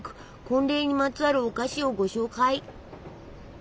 婚礼にまつわるお菓子をご紹介！